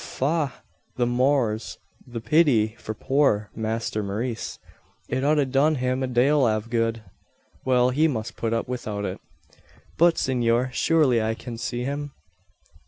"Faugh! The more's the pity for poor Masther Maurice. It ud a done him a dale av good. Well; he must put up widout it." "But, senor; surely I can see him?"